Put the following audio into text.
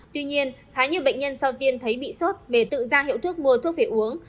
tuy nhiên khá nhiều bệnh nhân sau tiên thấy bị sốt bề tự ra hiệu thuốc mua thuốc về uống